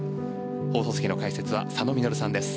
放送席の解説は佐野稔さんです。